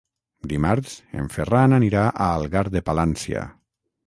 Dimarts en Ferran anirà a Algar de Palància.